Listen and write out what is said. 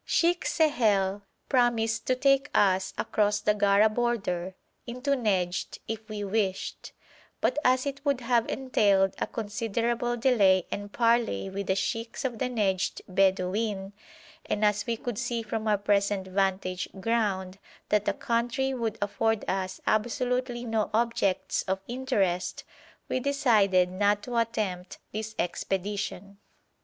Sheikh Sehel promised to take us across the Gara border into Nejd if we wished; but as it would have entailed a considerable delay and parley with the sheikhs of the Nejd Bedouin, and as we could see from our present vantage ground that the country would afford us absolutely no objects of interest, we decided not to attempt this expedition.